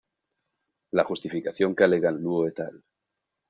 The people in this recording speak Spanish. La justificación que alegan Luo et al.